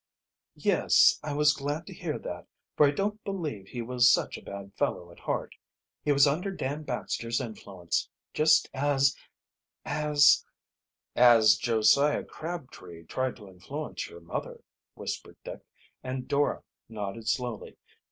"Yes, I was glad to hear that, for I don't believe he was such a bad fellow at heart. He was under Dan Baxter's influence, just as as " "As Josiah Crabtree tried to influence your mother," whispered Dick, and Dora nodded slowly.